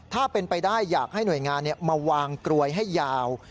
ถ้าเป็นไปได้อยากให้หน่วยงานมาวางกลวยให้ยาว